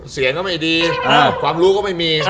เสียงก็ไม่ดีความรู้ก็ไม่มี